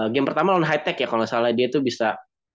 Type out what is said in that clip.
game pertama on high tech ya kalau gak salah dia itu bisa